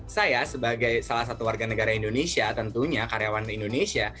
saya sebagai salah satu warga negara indonesia tentunya karyawan indonesia